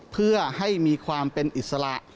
เพื่อให้มีความเป็นอิสระ